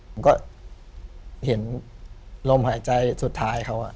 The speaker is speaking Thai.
มันก็เห็นโรงหายใจสุดท้าย